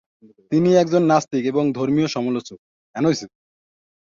তিনি একজন নাস্তিক এবং ধর্মীয় সমালোচক।